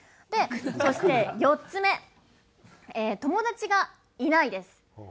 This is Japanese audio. そして４つ目「友達がいない」です。